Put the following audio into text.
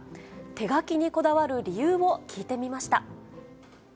手書きにこだわる理由を聞いてみました。